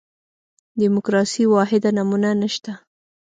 دیموکراسي واحده نمونه نه شته.